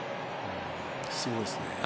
すごいですね。